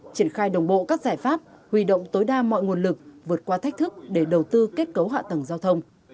triển khai đồng bộ các giải pháp huy động tối đa mọi nguồn lực vượt qua thách thức để đầu tư kết cấu hạ tầng giao thông